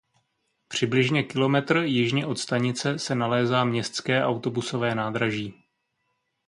Přibližně kilometr jižně od stanice se nalézá městské autobusové nádraží.